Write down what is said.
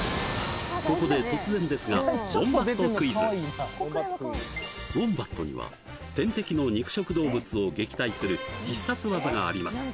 ここで突然ですがウォンバットには天敵の肉食動物を撃退する必殺技があります